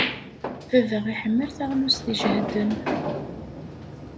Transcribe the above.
Baba iḥemmel taɣlust ijehden.